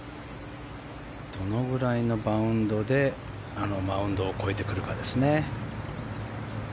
どのぐらいのバウンドであのマウンドを越えてくるかですね。